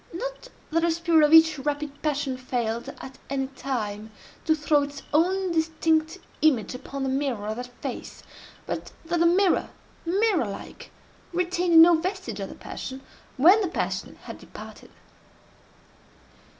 Not that the spirit of each rapid passion failed, at any time, to throw its own distinct image upon the mirror of that face—but that the mirror, mirror like, retained no vestige of the passion, when the passion had departed.